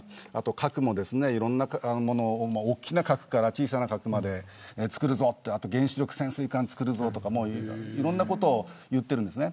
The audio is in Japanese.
核もいろんな大きな核から小さな核まで作るぞとかあと原子力潜水艦、作るぞとかいろんなことを言ってるんです。